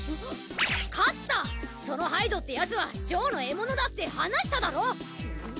勝太そのハイドってヤツはジョーの獲物だって話しただろ！